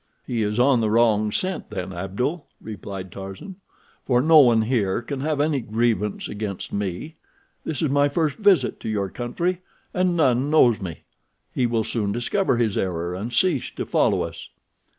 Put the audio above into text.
"He is on the wrong scent then, Abdul," replied Tarzan, "for no one here can have any grievance against me. This is my first visit to your country, and none knows me. He will soon discover his error, and cease to follow us."